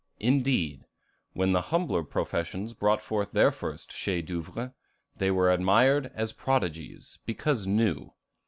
Indeed, when the humbler professions brought forth their first chefs d'œuvre, they were admired as prodigies, because new.